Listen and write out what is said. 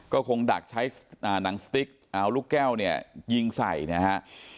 ก็คงดักใช้หนังสติ๊กเอาลูกแก้วเนี่ยยิงใส่นะฮะ